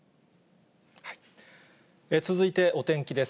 続いてお天気です。